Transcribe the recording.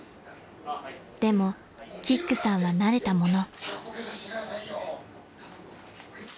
［でもキックさんは慣れたもの］